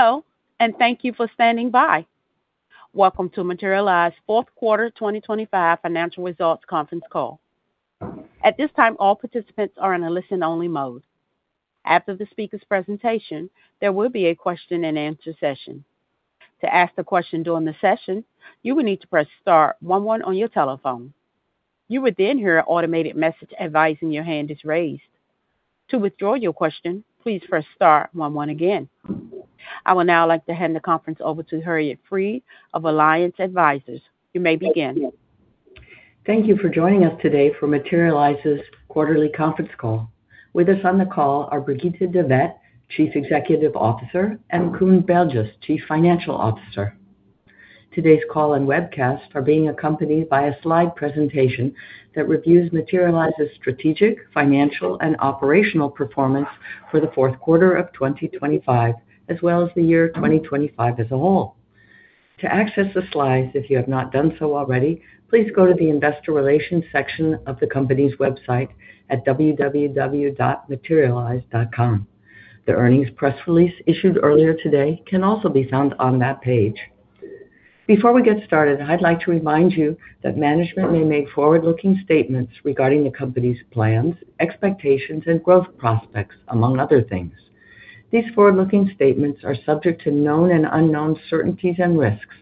Hello, and thank you for standing by. Welcome to Materialise Fourth Quarter 2025 Financial Results Conference Call. At this time, all participants are in a listen-only mode. After the speaker's presentation, there will be a question-and-answer session. To ask the question during the session, you will need to press star one one on your telephone. You would then hear an automated message advising your hand is raised. To withdraw your question, please press star one one again. I would now like to hand the conference over to Harriet Fried of Alliance Advisors. You may begin. Thank you for joining us today for Materialise's quarterly conference call. With us on the call are Brigitte de Vet-Veithen, Chief Executive Officer, and Koen Berges, Chief Financial Officer. Today's call and webcast are being accompanied by a slide presentation that reviews Materialise's strategic, financial, and operational performance for the fourth quarter of 2025, as well as the year 2025 as a whole. To access the slides, if you have not done so already, please go to the investor relations section of the company's website at www.materialise.com. The earnings press release issued earlier today can also be found on that page. Before we get started, I'd like to remind you that management may make forward-looking statements regarding the company's plans, expectations, and growth prospects, among other things. These forward-looking statements are subject to known and unknown uncertainties and risks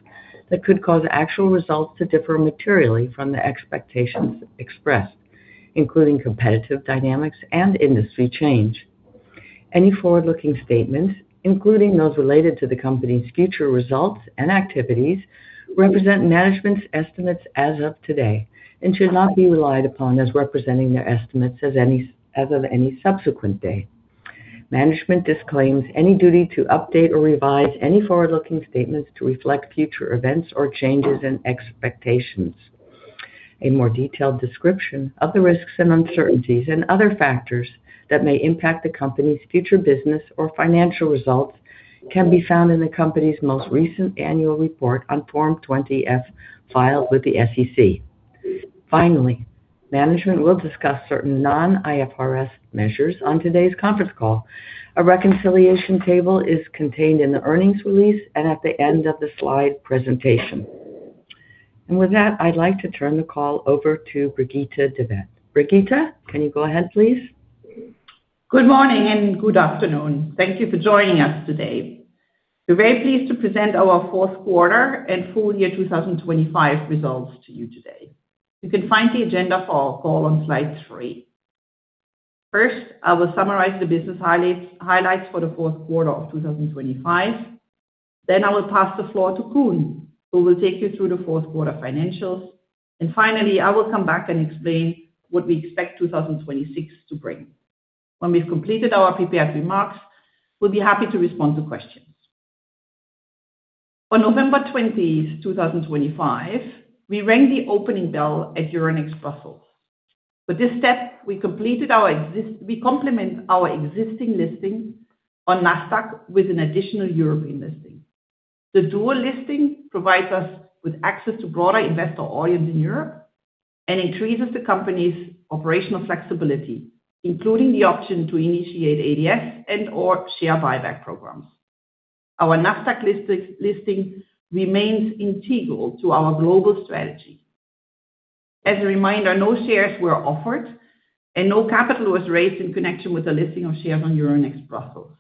that could cause actual results to differ materially from the expectations expressed, including competitive dynamics and industry change. Any forward-looking statements, including those related to the company's future results and activities, represent management's estimates as of today and should not be relied upon as representing their estimates as of any subsequent day. Management disclaims any duty to update or revise any forward-looking statements to reflect future events or changes in expectations. A more detailed description of the risks and uncertainties and other factors that may impact the company's future business or financial results can be found in the company's most recent annual report on Form 20-F filed with the SEC. Finally, management will discuss certain non-IFRS measures on today's conference call. A reconciliation table is contained in the earnings release and at the end of the slide presentation. With that, I'd like to turn the call over to Brigitte de Vet-Veithen. Brigitte, can you go ahead, please? Good morning and good afternoon. Thank you for joining us today. We're very pleased to present our fourth quarter and full year 2025 results to you today. You can find the agenda for our call on slide three. First, I will summarize the business highlights, highlights for the fourth quarter of 2025. Then I will pass the floor to Koen, who will take you through the fourth quarter financials. Finally, I will come back and explain what we expect 2026 to bring. When we've completed our prepared remarks, we'll be happy to respond to questions. On November 20, 2025, we rang the opening bell at Euronext Brussels. With this step, we complement our existing listing on Nasdaq with an additional European listing. The dual listing provides us with access to broader investor audience in Europe and increases the company's operational flexibility, including the option to initiate ADS and/or share buyback programs. Our Nasdaq listing remains integral to our global strategy. As a reminder, no shares were offered and no capital was raised in connection with the listing of shares on Euronext Brussels.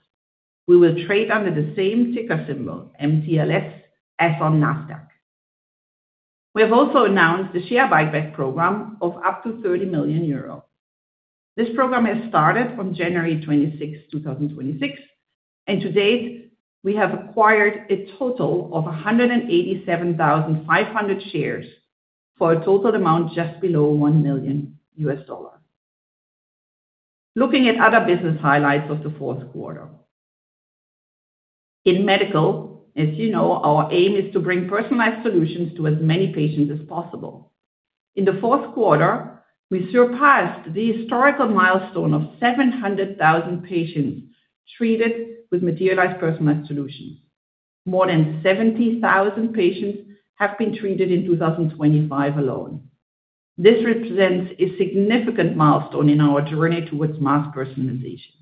We will trade under the same ticker symbol, MTLS, as on Nasdaq. We have also announced the share buyback program of up to 30 million euros. This program has started from January 26, 2026, and to date, we have acquired a total of 187,500 shares for a total amount just below $1 million. Looking at other business highlights of the fourth quarter. In medical, as you know, our aim is to bring personalized solutions to as many patients as possible. In the fourth quarter, we surpassed the historical milestone of 700,000 patients treated with Materialise personalized solutions. More than 70,000 patients have been treated in 2025 alone. This represents a significant milestone in our journey towards mass personalization.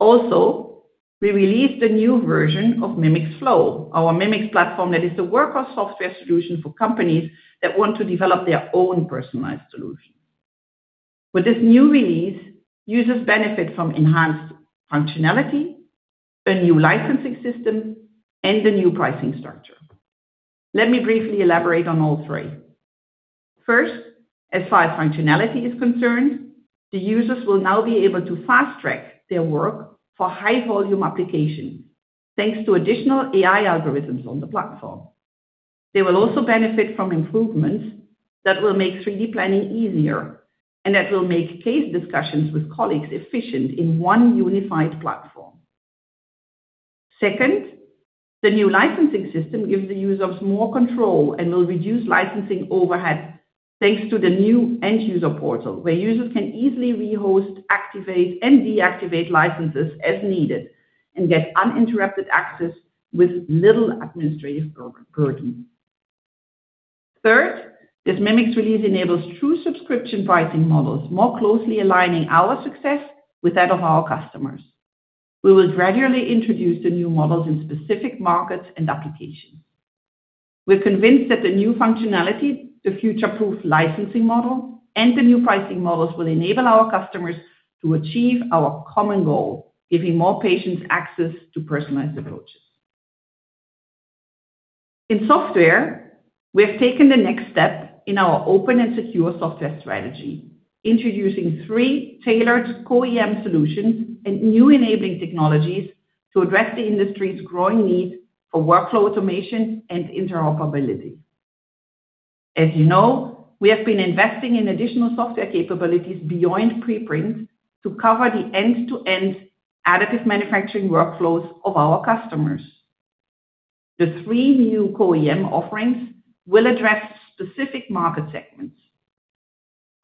Also, we released a new version of Mimics Flow, our Mimics platform that is a workflow software solution for companies that want to develop their own personalized solution. With this new release, users benefit from enhanced functionality, a new licensing system, and a new pricing structure. Let me briefly elaborate on all three. First, as far as functionality is concerned, the users will now be able to fast-track their work for high volume application, thanks to additional AI algorithms on the platform. They will also benefit from improvements that will make 3D planning easier and that will make case discussions with colleagues efficient in one unified platform. Second, the new licensing system gives the users more control and will reduce licensing overhead, thanks to the new end-user portal, where users can easily rehost, activate, and deactivate licenses as needed and get uninterrupted access with little administrative burden. Third, this Mimics release enables true subscription pricing models, more closely aligning our success with that of our customers. We will gradually introduce the new models in specific markets and applications. We're convinced that the new functionality, the future-proof licensing model, and the new pricing models will enable our customers to achieve our common goal, giving more patients access to personalized approaches. In software, we have taken the next step in our open and secure software strategy, introducing three tailored CO-AM solutions and new enabling technologies to address the industry's growing need for workflow automation and interoperability. As you know, we have been investing in additional software capabilities beyond Pre-Print to cover the end-to-end additive manufacturing workflows of our customers. The three new CO-AM offerings will address specific market segments.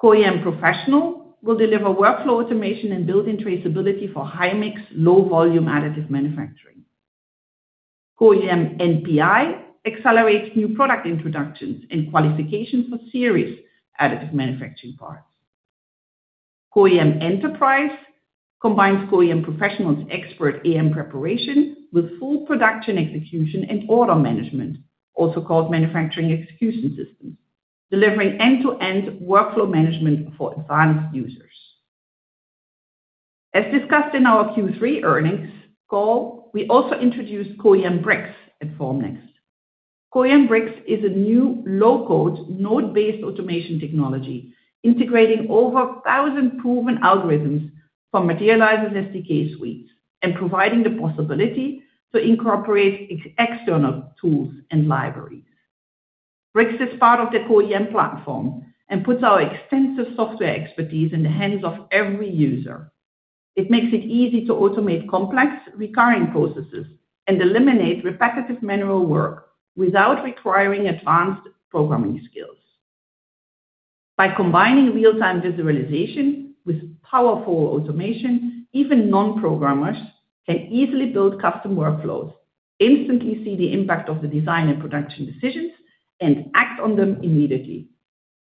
CO-AM Professional will deliver workflow automation and built-in traceability for high mix, low volume additive manufacturing. CO-AM NPI accelerates new product introductions and qualification for series additive manufacturing parts. CO-AM Enterprise combines CO-AM Professional's expert AM preparation with full production execution and order management, also called manufacturing execution systems, delivering end-to-end workflow management for advanced users. As discussed in our Q3 earnings call, we also introduced CO-AM Brix at Formnext. CO-AM Brix is a new low-code, node-based automation technology, integrating over a thousand proven algorithms from Materialise SDK suites and providing the possibility to incorporate external tools and libraries. Brix is part of the CO-AM platform and puts our extensive software expertise in the hands of every user. It makes it easy to automate complex, recurring processes and eliminate repetitive manual work without requiring advanced programming skills. By combining real-time visualization with powerful automation, even non-programmers can easily build custom workflows, instantly see the impact of the design and production decisions, and act on them immediately.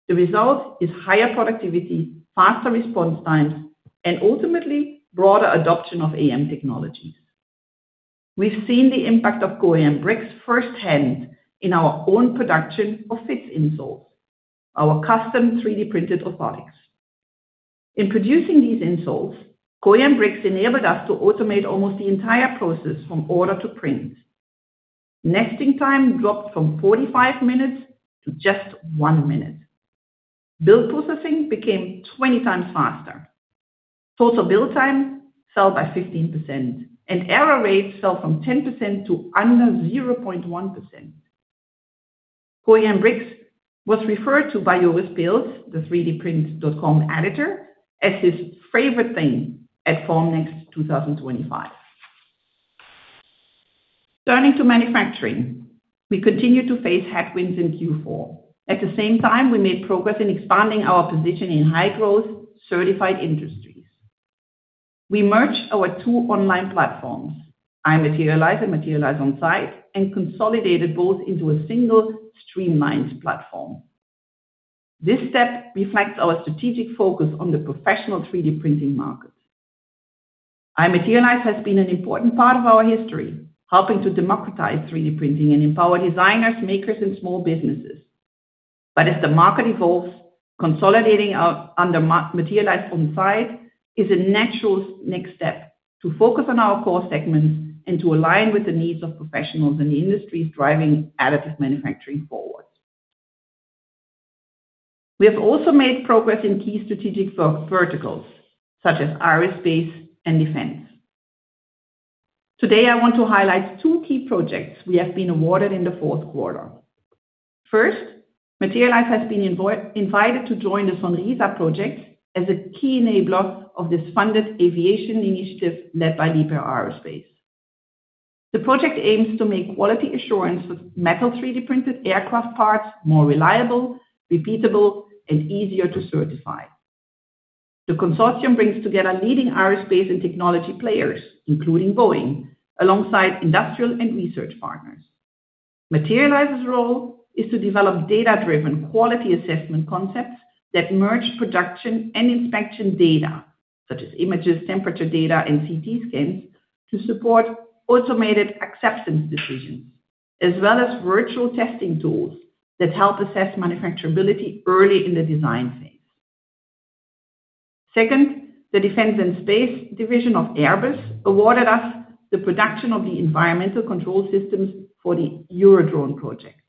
The result is higher productivity, faster response times, and ultimately, broader adoption of AM technologies. We've seen the impact of CO-AM Brix firsthand in our own production of Phits insoles, our custom 3D printed orthotics. In producing these insoles, CO-AM Brix enabled us to automate almost the entire process from order to print. Nesting time dropped from 45 minutes to just 1 minute. Build processing became 20 times faster. Total build time fell by 15%, and error rates fell from 10% to under 0.1%. CO-AM Brix was referred to by Joris Peels, the 3DPrint.com editor, as his favorite thing at Formnext 2025. Turning to manufacturing, we continued to face headwinds in Q4. At the same time, we made progress in expanding our position in high-growth, certified industries. We merged our two online platforms, i.materialise and Materialise OnSite, and consolidated both into a single, streamlined platform. This step reflects our strategic focus on the professional 3D printing market. i.materialise has been an important part of our history, helping to democratize 3D printing and empower designers, makers, and small businesses. But as the market evolves, consolidating our under Materialise OnSite is a natural next step to focus on our core segments and to align with the needs of professionals in the industries driving additive manufacturing forward. We have also made progress in key strategic verticals, such as aerospace and defense. Today, I want to highlight two key projects we have been awarded in the fourth quarter. First, Materialise has been invited to join the SONRISA project as a key enabler of this funded aviation initiative led by Diehl Aerospace. The project aims to make quality assurance of metal 3D printed aircraft parts more reliable, repeatable, and easier to certify. The consortium brings together leading aerospace and technology players, including Boeing, alongside industrial and research partners. Materialise's role is to develop data-driven quality assessment concepts that merge production and inspection data, such as images, temperature data, and CT scans, to support automated acceptance decisions, as well as virtual testing tools that help assess manufacturability early in the design phase. Second, the Defense and Space division of Airbus awarded us the production of the environmental control systems for the Eurodrone project.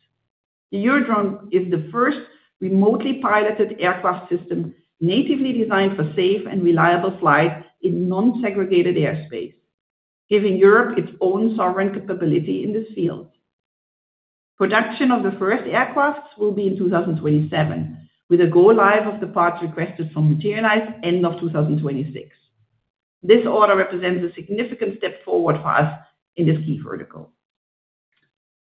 The Eurodrone is the first remotely piloted aircraft system natively designed for safe and reliable flight in non-segregated airspace, giving Europe its own sovereign capability in this field. Production of the first aircrafts will be in 2027, with a go live of the parts requested from Materialise end of 2026. This order represents a significant step forward for us in this key vertical.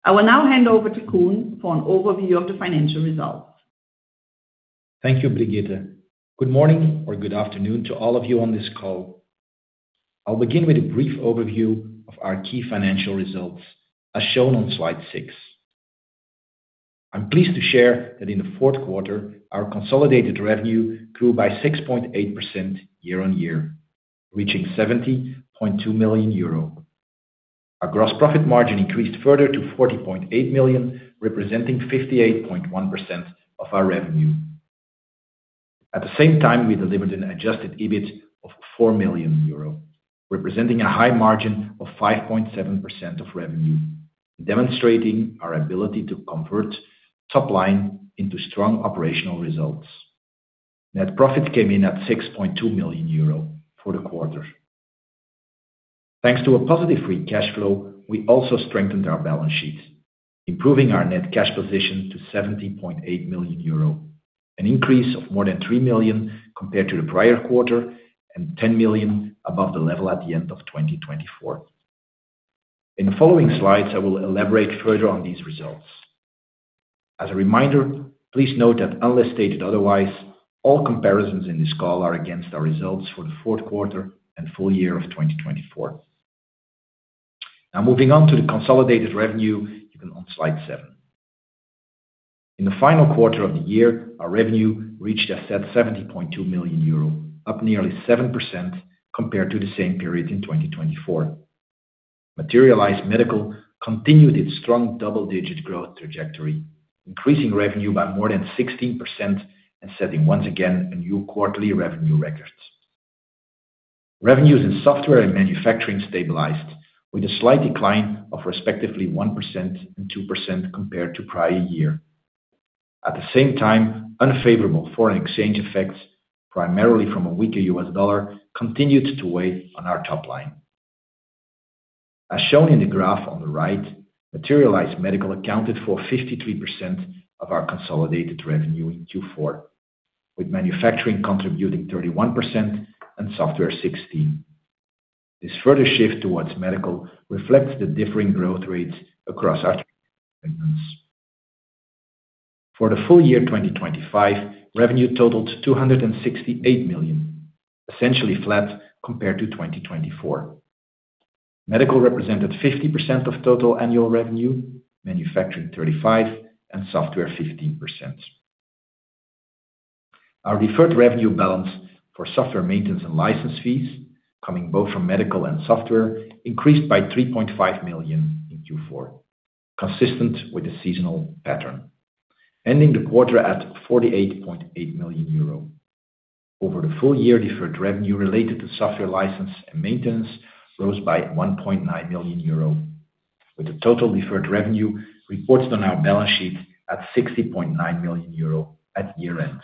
I will now hand over to Koen for an overview of the financial results.... Thank you, Brigitte. Good morning or good afternoon to all of you on this call. I'll begin with a brief overview of our key financial results, as shown on slide six. I'm pleased to share that in the fourth quarter, our consolidated revenue grew by 6.8% year-on-year, reaching 70.2 million euro. Our gross profit margin increased further to 40.8 million, representing 58.1% of our revenue. At the same time, we delivered an adjusted EBIT of 4 million euro, representing a high margin of 5.7% of revenue, demonstrating our ability to convert top line into strong operational results. Net profit came in at 6.2 million euro for the quarter. Thanks to a positive free cash flow, we also strengthened our balance sheets, improving our net cash position to 70.8 million euro, an increase of more than 3 million compared to the prior quarter and 10 million above the level at the end of 2024. In the following slides, I will elaborate further on these results. As a reminder, please note that unless stated otherwise, all comparisons in this call are against our results for the fourth quarter and full year of 2024. Now, moving on to the consolidated revenue, you can on slide seven. In the final quarter of the year, our revenue reached 70.2 million euro, up nearly 7% compared to the same period in 2024. Materialise Medical continued its strong double-digit growth trajectory, increasing revenue by more than 16% and setting once again, a new quarterly revenue records. Revenues in software and manufacturing stabilized with a slight decline of respectively 1% and 2% compared to prior year. At the same time, unfavorable foreign exchange effects, primarily from a weaker US dollar, continued to weigh on our top line. As shown in the graph on the right, Materialise Medical accounted for 53% of our consolidated revenue in Q4, with manufacturing contributing 31% and software 16%. This further shift towards medical reflects the differing growth rates across our segments. For the full year, 2025, revenue totaled 268 million, essentially flat compared to 2024. Medical represented 50% of total annual revenue, manufacturing 35%, and software 15%. Our deferred revenue balance for software maintenance and license fees, coming both from medical and software, increased by 3.5 million in Q4, consistent with the seasonal pattern, ending the quarter at 48.8 million euro. Over the full year, deferred revenue related to software license and maintenance rose by 1.9 million euro, with a total deferred revenue reported on our balance sheet at 60.9 million euro at year-end.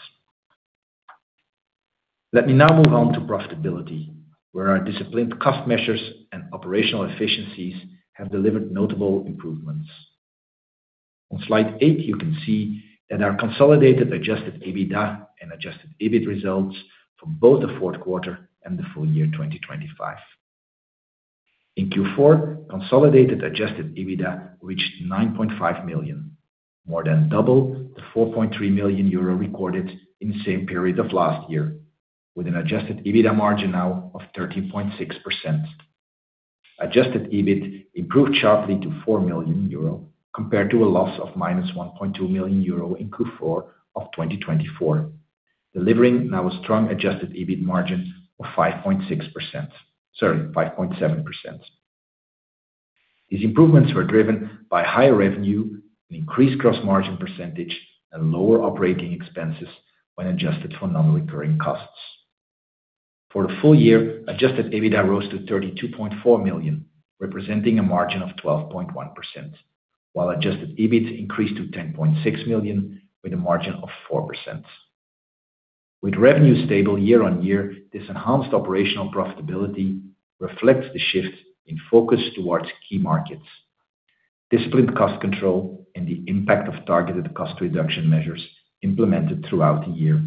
Let me now move on to profitability, where our disciplined cost measures and operational efficiencies have delivered notable improvements. On slide eight, you can see that our consolidated adjusted EBITDA and adjusted EBIT results from both the fourth quarter and the full year, 2025. In Q4, consolidated adjusted EBITDA reached 9.5 million, more than double the 4.3 million euro recorded in the same period of last year, with an adjusted EBITDA margin now of 13.6%. Adjusted EBIT improved sharply to 4 million euro, compared to a loss of -1.2 million euro in Q4 of 2024, delivering now a strong adjusted EBIT margin of 5.6%, sorry, 5.7%. These improvements were driven by higher revenue, an increased gross margin percentage, and lower operating expenses when adjusted for non-recurring costs. For the full year, adjusted EBITDA rose to 32.4 million, representing a margin of 12.1%, while adjusted EBIT increased to 10.6 million, with a margin of 4%. With revenue stable year-on-year, this enhanced operational profitability reflects the shift in focus towards key markets, disciplined cost control, and the impact of targeted cost reduction measures implemented throughout the year.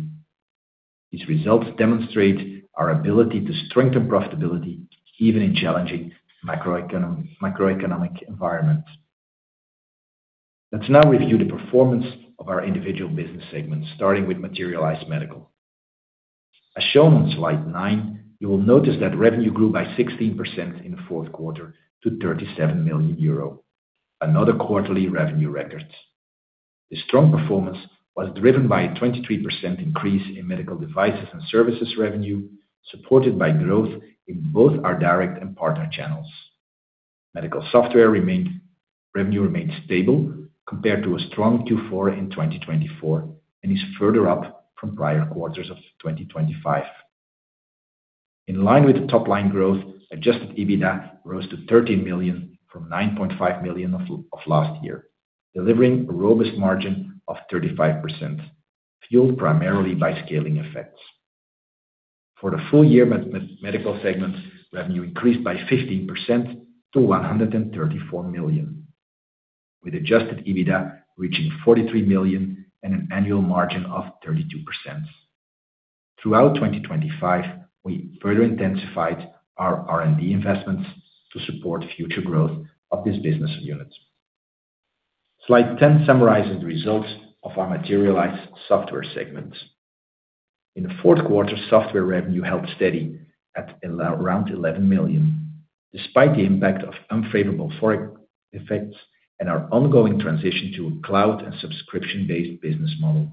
These results demonstrate our ability to strengthen profitability, even in challenging macroeconomic environments. Let's now review the performance of our individual business segments, starting with Materialise Medical. As shown on slide nine, you will notice that revenue grew by 16% in the fourth quarter to 37 million euro, another quarterly revenue record. The strong performance was driven by a 23% increase in medical devices and services revenue, supported by growth in both our direct and partner channels. Medical software revenue remained stable compared to a strong Q4 in 2024, and is further up from prior quarters of 2025. In line with the top line growth, adjusted EBITDA rose to 13 million from 9.5 million of last year, delivering a robust margin of 35%, fueled primarily by scaling effects. For the full year, medical segment revenue increased by 15% to 134 million, with adjusted EBITDA reaching 43 million and an annual margin of 32%. Throughout 2025, we further intensified our R&D investments to support future growth of this business unit. Slide 10 summarizes the results of our Materialise software segment. In the fourth quarter, software revenue held steady at around 11 million, despite the impact of unfavorable foreign effects and our ongoing transition to a cloud and subscription-based business model.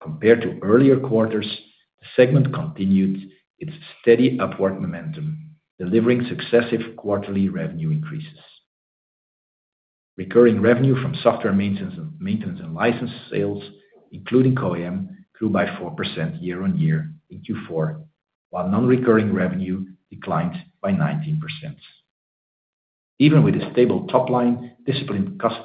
Compared to earlier quarters, the segment continued its steady upward momentum, delivering successive quarterly revenue increases. Recurring revenue from software maintenance and license sales, including CO-AM, grew by 4% year-on-year in Q4, while non-recurring revenue declined by 19%. Even with a stable top line, disciplined cost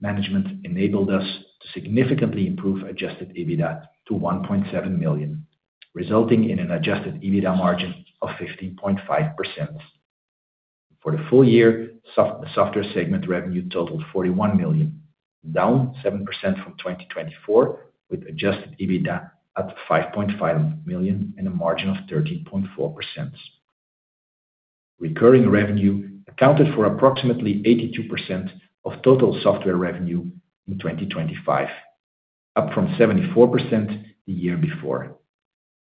management enabled us to significantly improve adjusted EBITDA to 1.7 million, resulting in an adjusted EBITDA margin of 15.5%. For the full year, the software segment revenue totaled 41 million, down 7% from 2024, with adjusted EBITDA at 5.5 million and a margin of 13.4%. Recurring revenue accounted for approximately 82% of total software revenue in 2025, up from 74% the year before,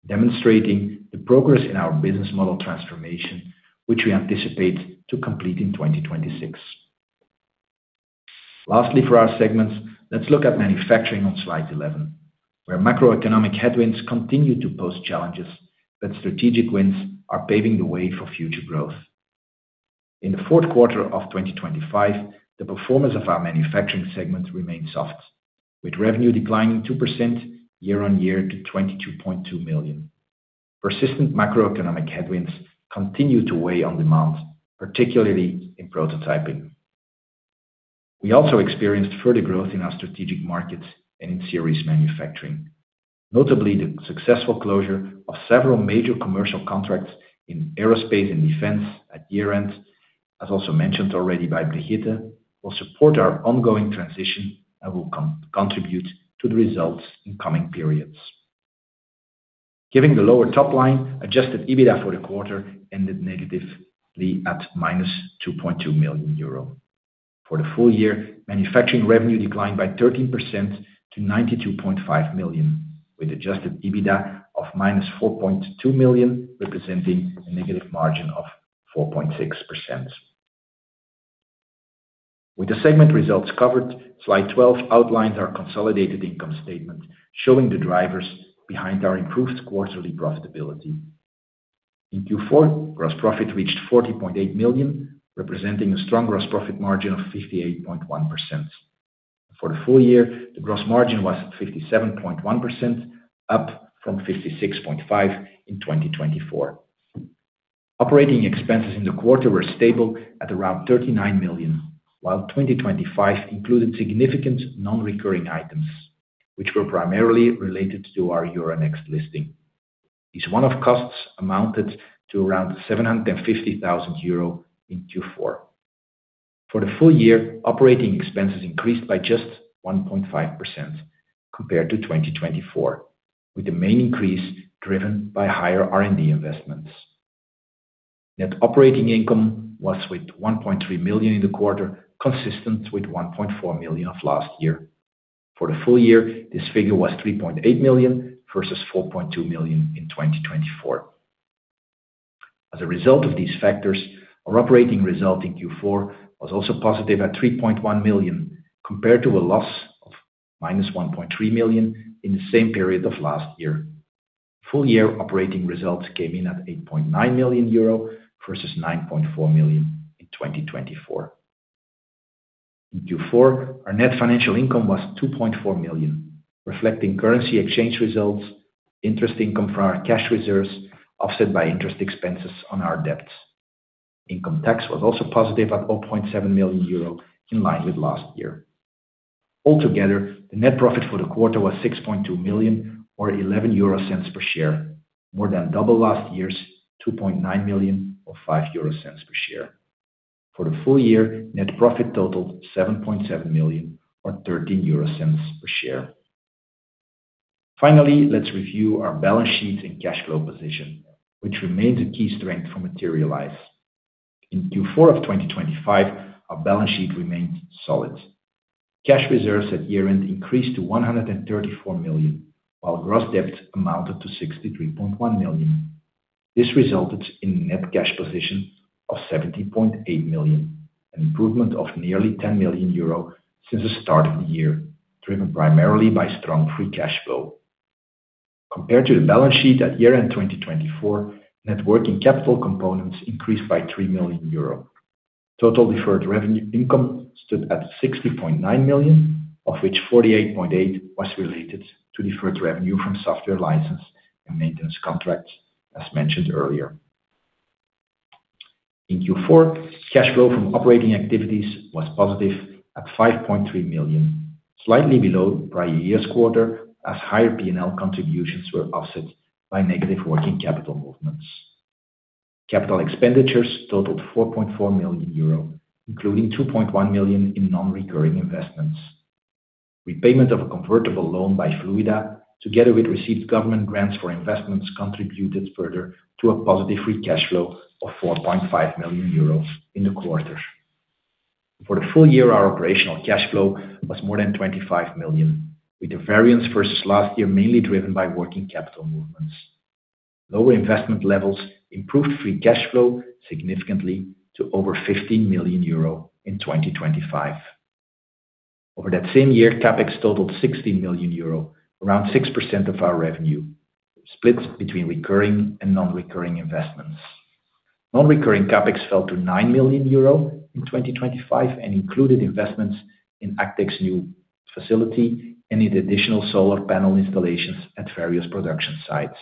demonstrating the progress in our business model transformation, which we anticipate to complete in 2026. Lastly, for our segments, let's look at manufacturing on Slide 11, where macroeconomic headwinds continue to pose challenges, but strategic wins are paving the way for future growth. In the fourth quarter of 2025, the performance of our manufacturing segment remained soft, with revenue declining 2% year-on-year to 22.2 million. Persistent macroeconomic headwinds continue to weigh on demand, particularly in prototyping. We also experienced further growth in our strategic markets and in series manufacturing, notably the successful closure of several major commercial contracts in aerospace and defense at year-end, as also mentioned already by Brigitte, will support our ongoing transition and will contribute to the results in coming periods. Given the lower top line, Adjusted EBITDA for the quarter ended negatively at -2.2 million euro. For the full year, manufacturing revenue declined by 13% to 92.5 million, with adjusted EBITDA of -4.2 million, representing a negative margin of 4.6%. With the segment results covered, slide 12 outlines our consolidated income statement, showing the drivers behind our improved quarterly profitability. In Q4, gross profit reached 40.8 million, representing a strong gross profit margin of 58.1%. For the full year, the gross margin was 57.1%, up from 56.5% in 2024. Operating expenses in the quarter were stable at around 39 million, while 2025 included significant non-recurring items, which were primarily related to our Euronext listing. These one-off costs amounted to around 750,000 euro in Q4. For the full year, operating expenses increased by just 1.5% compared to 2024, with the main increase driven by higher R&D investments. Net operating income was with 1.3 million in the quarter, consistent with 1.4 million of last year. For the full year, this figure was 3.8 million versus 4.2 million in 2024. As a result of these factors, our operating result in Q4 was also positive at 3.1 million, compared to a loss of -1.3 million in the same period of last year. Full year operating results came in at 8.9 million euro versus 9.4 million in 2024. In Q4, our net financial income was 2.4 million, reflecting currency exchange results, interest income from our cash reserves, offset by interest expenses on our debts. Income tax was also positive at 4.7 million euro, in line with last year. Altogether, the net profit for the quarter was 6.2 million or 0.11 per share, more than double last year's 2.9 million, or 0.05 per share. For the full year, net profit totaled 7.7 million or 0.13 per share. Finally, let's review our balance sheet and cash flow position, which remains a key strength for Materialise. In Q4 of 2025, our balance sheet remained solid. Cash reserves at year-end increased to 134 million, while gross debt amounted to 63.1 million. This resulted in a net cash position of 17.8 million, an improvement of nearly 10 million euro since the start of the year, driven primarily by strong free cash flow. Compared to the balance sheet at year-end 2024, net working capital components increased by 3 million euro. Total deferred revenue income stood at 60.9 million, of which 48.8 million was related to deferred revenue from software license and maintenance contracts, as mentioned earlier. In Q4, cash flow from operating activities was positive at 5.3 million, slightly below prior year's quarter, as higher P&L contributions were offset by negative working capital movements. Capital expenditures totaled 4.4 million euro, including 2.1 million in non-recurring investments. Repayment of a convertible loan by Fluidda, together with received government grants for investments, contributed further to a positive free cash flow of 4.5 million euros in the quarter. For the full year, our operational cash flow was more than 25 million, with the variance versus last year mainly driven by working capital movements. Lower investment levels improved free cash flow significantly to over 15 million euro in 2025. Over that same year, CapEx totaled 16 million euro, around 6% of our revenue, split between recurring and non-recurring investments. Non-recurring CapEx fell to 9 million euro in 2025 and included investments in ACTech's new facility and in additional solar panel installations at various production sites.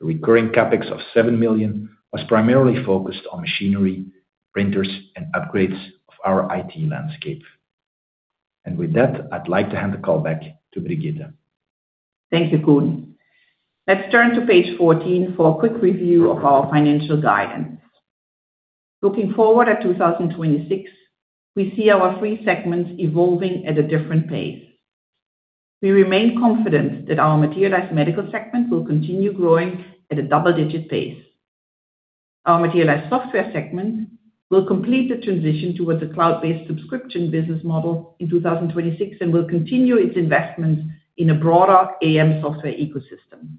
The recurring CapEx of 7 million was primarily focused on machinery, printers, and upgrades of our IT landscape. With that, I'd like to hand the call back to Brigitte. Thank you, Koen. Let's turn to page 14 for a quick review of our financial guidance. Looking forward at 2026, we see our three segments evolving at a different pace. We remain confident that our Materialise Medical segment will continue growing at a double-digit pace. Our Materialise Software segment will complete the transition towards a cloud-based subscription business model in 2026, and will continue its investments in a broader AM software ecosystem.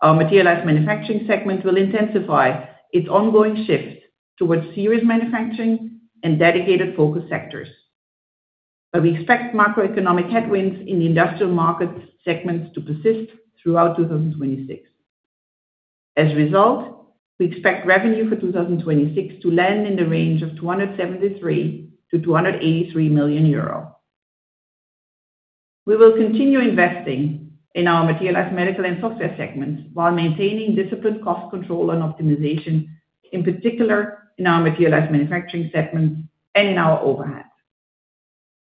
Our Materialise Manufacturing segment will intensify its ongoing shift towards series manufacturing and dedicated focus sectors, but we expect macroeconomic headwinds in the industrial market segments to persist throughout 2026. As a result, we expect revenue for 2026 to land in the range of 273 million-283 million euro. We will continue investing in our Materialise Medical and Software segments while maintaining disciplined cost control and optimization, in particular in our Materialise Manufacturing segment and in our overhead.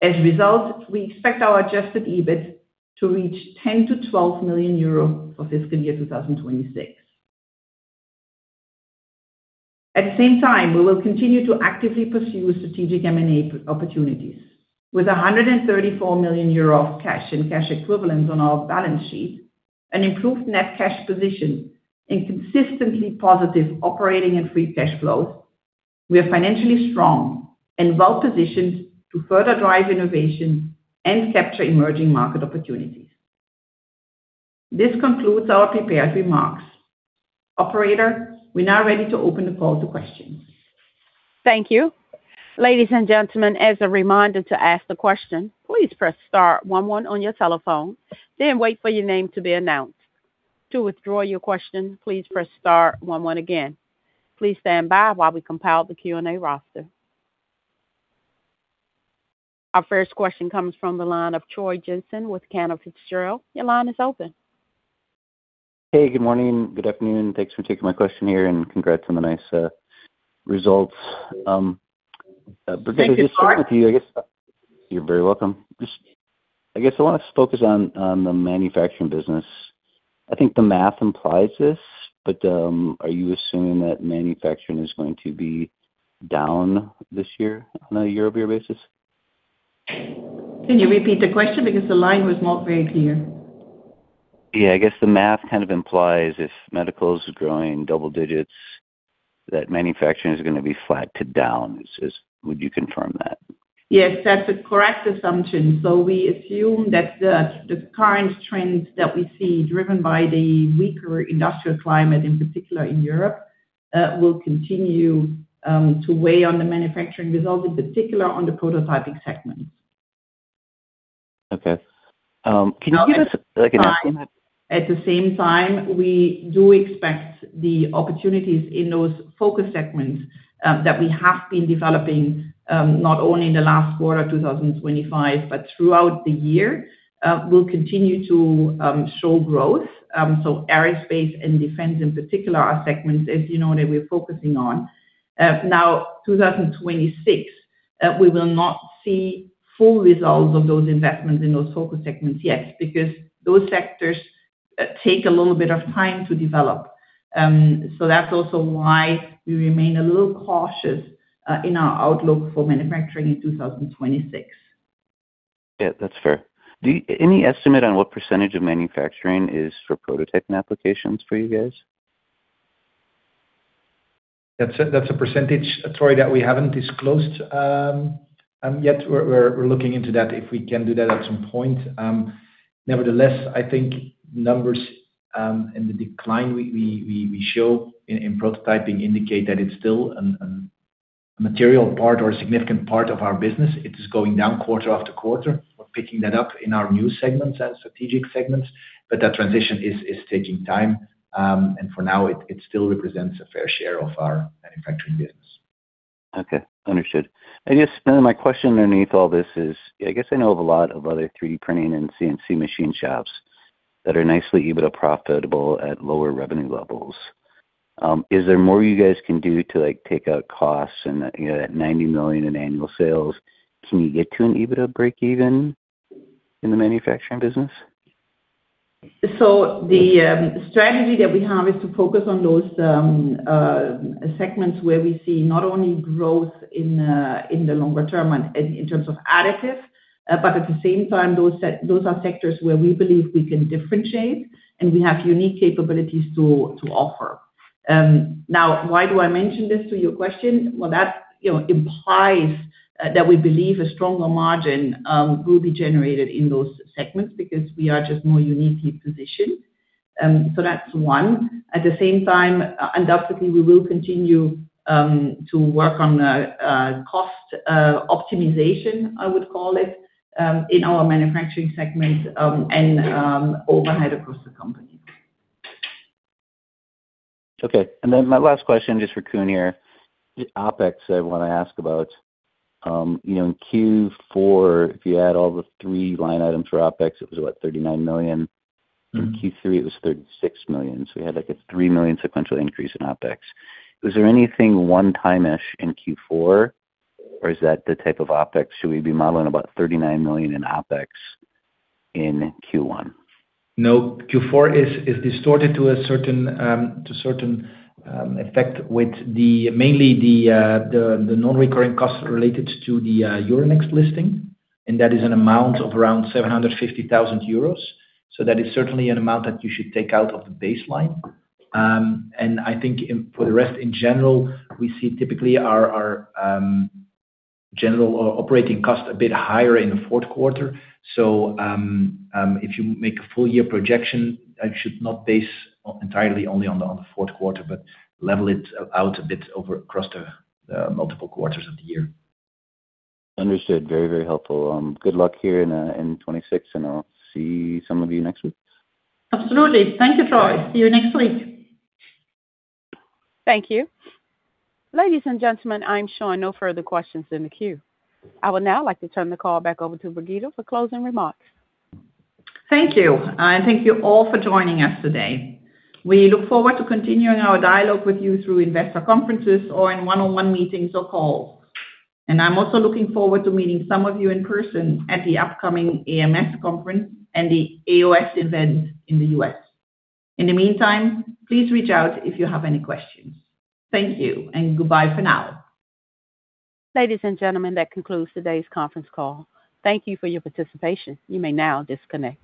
As a result, we expect our adjusted EBIT to reach 10 million-12 million euro for fiscal year 2026. At the same time, we will continue to actively pursue strategic M&A opportunities. With 134 million euro cash and cash equivalents on our balance sheet, an improved net cash position, and consistently positive operating and free cash flow, we are financially strong and well-positioned to further drive innovation and capture emerging market opportunities. This concludes our prepared remarks. Operator, we're now ready to open the call to questions. Thank you. Ladies and gentlemen, as a reminder to ask the question, please press star one one on your telephone, then wait for your name to be announced. To withdraw your question, please press star one one again. Please stand by while we compile the Q&A roster. Our first question comes from the line of Troy Jensen with Cantor Fitzgerald. Your line is open. Hey, good morning. Good afternoon, thanks for taking my question here, and congrats on the nice results. Brigitte, just start with you, I guess- You're very welcome. Just, I guess I want to focus on the manufacturing business. I think the math implies this, but are you assuming that manufacturing is going to be down this year on a year-over-year basis? Can you repeat the question? Because the line was not very clear. Yeah, I guess the math kind of implies if medical is growing double digits, that manufacturing is going to be flat to down. So would you confirm that? Yes, that's a correct assumption. So we assume that the current trends that we see, driven by the weaker industrial climate, in particular in Europe, will continue to weigh on the manufacturing results, in particular on the prototyping segment. Okay. Can you give us like an estimate? At the same time, we do expect the opportunities in those focus segments that we have been developing, not only in the last quarter, 2025, but throughout the year, will continue to show growth. So aerospace and defense in particular are segments as you know that we're focusing on. Now 2026, we will not see full results of those investments in those focus segments yet, because those sectors take a little bit of time to develop. So that's also why we remain a little cautious in our outlook for manufacturing in 2026. Yeah, that's fair. Do any estimate on what percentage of manufacturing is for prototyping applications for you guys? That's a percentage, Troy, that we haven't disclosed yet. We're looking into that, if we can do that at some point. Nevertheless, I think numbers and the decline we show in prototyping indicate that it's still a material part or a significant part of our business. It is going down quarter after quarter. We're picking that up in our new segments and strategic segments, but that transition is taking time, and for now, it still represents a fair share of our manufacturing business. Okay, understood. I guess my question underneath all this is, I guess I know of a lot of other 3D printing and CNC machine shops that are nicely EBITDA profitable at lower revenue levels. Is there more you guys can do to, like, take out costs and, you know, at 90 million in annual sales, can you get to an EBITDA breakeven in the manufacturing business?... So the strategy that we have is to focus on those segments where we see not only growth in the longer term and in terms of additives, but at the same time, those are sectors where we believe we can differentiate and we have unique capabilities to offer. Now, why do I mention this to your question? Well, that, you know, implies that we believe a stronger margin will be generated in those segments because we are just more uniquely positioned. So that's one. At the same time, undoubtedly, we will continue to work on the cost optimization, I would call it, in our manufacturing segment and overhead across the company. Okay. And then my last question, just for Koen here. The OpEx, I want to ask about, you know, in Q4, if you add all the three line items for OpEx, it was what? 39 million. In Q3, it was 36 million. So we had, like, a 3 million sequential increase in OpEx. Was there anything one-time-ish in Q4, or is that the type of OpEx? Should we be modeling about 39 million in OpEx in Q1? No, Q4 is distorted to a certain effect with the mainly the non-recurring costs related to the Euronext listing, and that is an amount of around 750,000 euros. So that is certainly an amount that you should take out of the baseline. And I think for the rest, in general, we see typically our general operating costs a bit higher in the fourth quarter. So, if you make a full year projection, I should not base entirely only on the fourth quarter, but level it out a bit over across the multiple quarters of the year. Understood. Very, very helpful. Good luck here in 2026, and I'll see some of you next week. Absolutely. Thank you, Troy. See you next week. Thank you. Ladies and gentlemen, I'm showing no further questions in the queue. I would now like to turn the call back over to Brigitte for closing remarks. Thank you. Thank you all for joining us today. We look forward to continuing our dialogue with you through investor conferences or in one-on-one meetings or calls. I'm also looking forward to meeting some of you in person at the upcoming AMS conference and the AAOS event in the US. In the meantime, please reach out if you have any questions. Thank you, and goodbye for now. Ladies and gentlemen, that concludes today's conference call. Thank you for your participation. You may now disconnect.